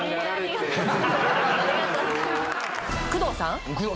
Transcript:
工藤さん。